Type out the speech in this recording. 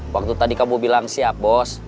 waktu tadi kamu bilang siap bos